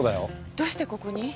どうしてここに？